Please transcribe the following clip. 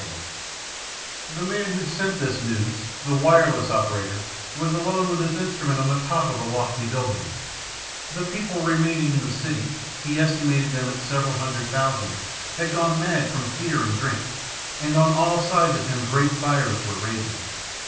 [Illustration: Fled from the city by millions 092] "The man who sent this news, the wireless operator, was alone with his instrument on the top of a lofty building. The people remaining in the city he estimated them at several hundred thousand had gone mad from fear and drink, and on all sides of him great fires were raging.